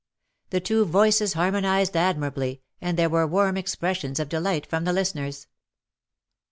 The two voices harmonized admirably^ and there were warm expressions of delight from the listeners.